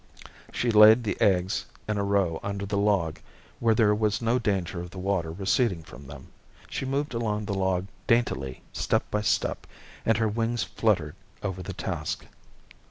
She laid the eggs in a row under the log, where there was no danger of the water receding from them. She moved along the log daintily, step by step, and her wings fluttered over the task.